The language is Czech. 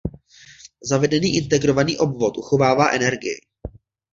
Zavedený integrovaný obvod uchovává energii.